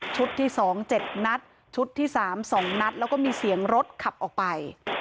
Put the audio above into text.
ที่๒๗นัดชุดที่๓๒นัดแล้วก็มีเสียงรถขับออกไป